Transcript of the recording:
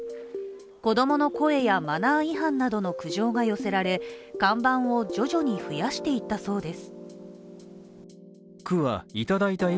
子供の声やマナー違反などの苦情が寄せられ看板を徐々に増やしていったそうです。